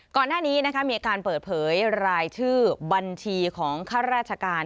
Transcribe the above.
ก่อนหน้านี้มีการเปิดเผยรายชื่อบัญชีของข้าราชการ